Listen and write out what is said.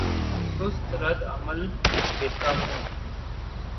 سست رد عمل دیتا ہوں